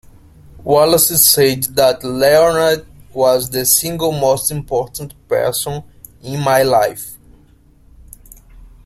Wallace said that Leonard was the single most important person in my life.